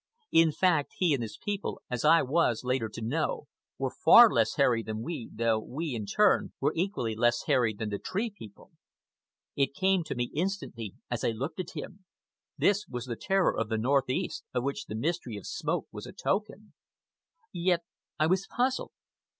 In fact, he and his people, as I was later to know, were far less hairy than we, though we, in turn, were equally less hairy than the Tree People. It came to me instantly, as I looked at him. This was the terror of the northeast, of which the mystery of smoke was a token. Yet I was puzzled.